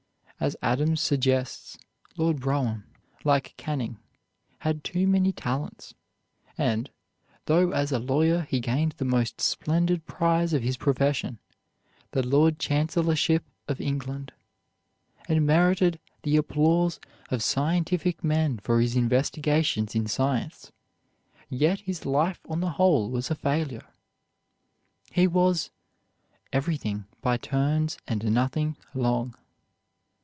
As Adams suggests, Lord Brougham, like Canning, had too many talents; and, though as a lawyer he gained the most splendid prize of his profession, the Lord Chancellorship of England, and merited the applause of scientific men for his investigations in science, yet his life on the whole was a failure. He was "everything by turns and nothing long."